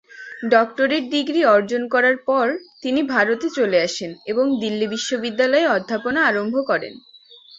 Doctorate degree অর্জন করার পর, তিনি ভারতে চলে আসেন এবং দিল্লী বিশ্ববিদ্যালয়ে অধ্যাপনা আরম্ভ করেন।